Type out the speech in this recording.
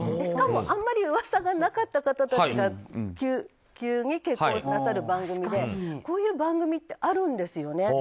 しかもあまり噂がなかった方たちが急に結婚なさる番組でこういう番組ってあるんですよね。